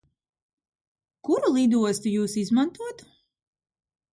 Kuru lidostu Jūs izmantotu?